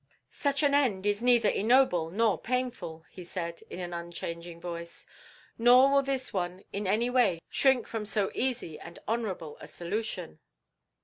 "Such an end is neither ignoble nor painful," he said, in an unchanging voice; "nor will this one in any way shrink from so easy and honourable a solution."